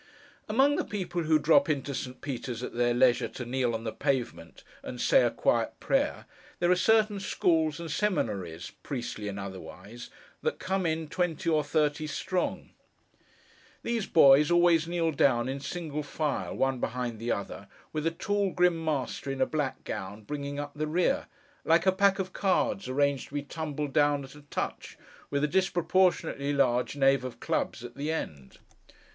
Among the people who drop into St. Peter's at their leisure, to kneel on the pavement, and say a quiet prayer, there are certain schools and seminaries, priestly and otherwise, that come in, twenty or thirty strong. These boys always kneel down in single file, one behind the other, with a tall grim master in a black gown, bringing up the rear: like a pack of cards arranged to be tumbled down at a touch, with a disproportionately large Knave of clubs at the end.